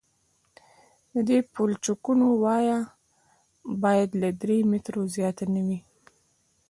د دې پلچکونو وایه باید له درې مترو زیاته نه وي